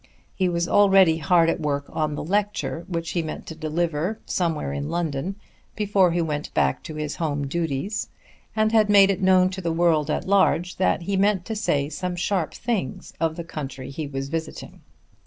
He was already hard at work on the lecture which he meant to deliver somewhere in London before he went back to his home duties, and had made it known to the world at large that he meant to say some sharp things of the country he was visiting.